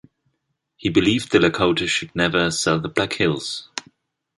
He believed the Lakota should never sell the Black Hills.